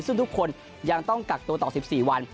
ซึ่งทุกคนยังต้องกักตัวต่อ๑๔วัน